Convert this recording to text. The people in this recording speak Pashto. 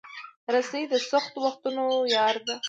رسۍ د سختو وختونو یار ده.